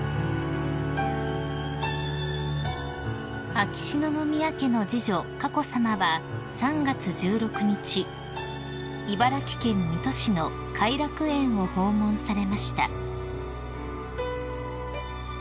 ［秋篠宮家の次女佳子さまは３月１６日茨城県水戸市の偕楽園を訪問されました］